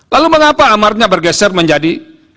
lalu mengapa amarnya bergeser menjadi